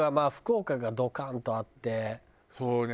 そうね。